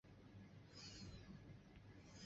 中麝鼩为鼩鼱科麝鼩属的动物。